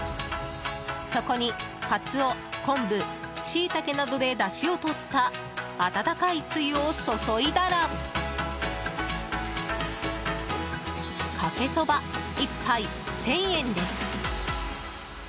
そこにカツオ、昆布シイタケなどでだしをとった温かいつゆを注いだらかけそば、１杯１０００円です。